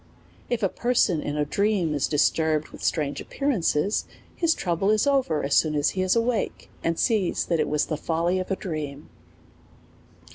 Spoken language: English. If a person in a dream is disturbed with strange ap pearances, his trouble is over as soon as he is awake, and sees that it was the folly of his dream.